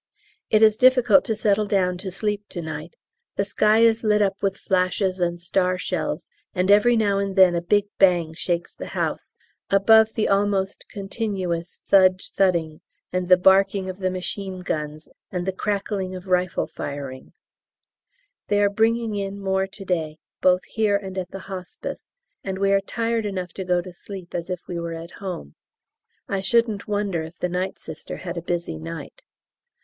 It is difficult to settle down to sleep to night: the sky is lit up with flashes and star shells, and every now and then a big bang shakes the house, above the almost continuous thud, thudding, and the barking of the machine guns and the crackling of rifle firing; they are bringing in more to day, both here and at the Hospice, and we are tired enough to go to sleep as if we were at home; I shouldn't wonder if the Night Sister had a busy night.